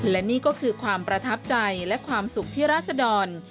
และนี่ก็คือความประทับใจและความสุขที่ราศดร